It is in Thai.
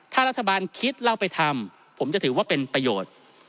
ถ้ารัฐบาลคิดแล้วไปทำผมจะถือว่าเป็นประโยชน์